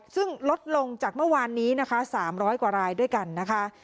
ซึ่งลดลงจากเมื่อวานนี้นะคะ๓๐๐กว่ารายด้วยกันนะคะ